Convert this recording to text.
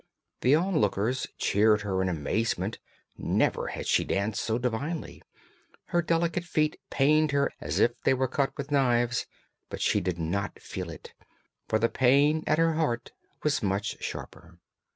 The onlookers cheered her in amazement, never had she danced so divinely; her delicate feet pained her as if they were cut with knives, but she did not feel it, for the pain at her heart was much sharper.